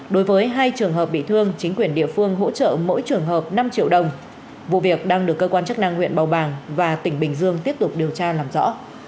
đối với hai trường hợp bị thương chính quyền địa phương hỗ trợ mỗi trường hợp năm triệu đồng vụ việc đang được cơ quan chức năng huyện bầu bàng và tỉnh bình dương tiếp tục điều tra làm rõ